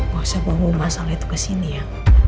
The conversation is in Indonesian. baksa bawa masalah itu kesini ya